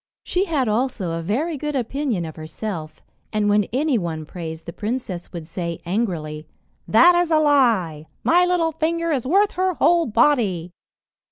She had also a very good opinion of herself, and when any one praised the princess, would say angrily, "That is a lie! My little finger is worth her whole body."